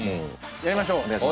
やりましょう！